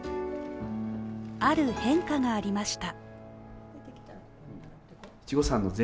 ある変化がありました。